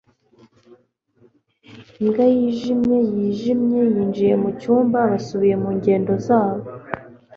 imbwa yijimye-yijimye, yinjiye mu cyumba. basubiye mu ngendo zabo